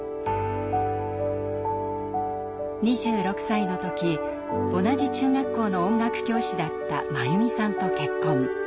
２６歳の時同じ中学校の音楽教師だった真弓さんと結婚。